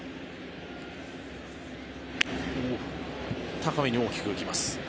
高めに大きく浮きます。